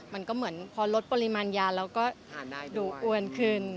มันก็เหมือนพอลดปริมาณยาเราก็ดูอ้วนขึ้น